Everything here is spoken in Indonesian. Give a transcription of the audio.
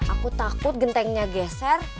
aku takut gentengnya geser